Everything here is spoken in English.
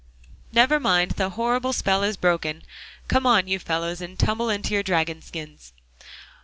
"Never mind; the horrible spell is broken; come on, you fellows, and tumble into your dragon skins!"